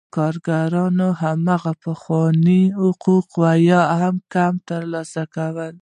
کارګران هماغه پخواني حقوق یا کم ترلاسه کوي